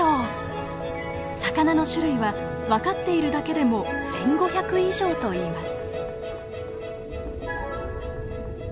魚の種類は分かっているだけでも１，５００以上といいます。